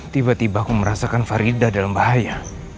tiba tiba aku merasakan farida dalam bahaya